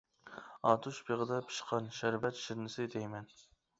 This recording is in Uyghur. ئاتۇش بېغىدا پىشقان، شەربەت شىرنىسى دەيمەن.